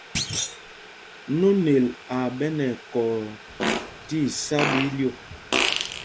Nonel aa ɓɛ nɛ ɛkɔɔ tí isá ɓɛ ílyûk.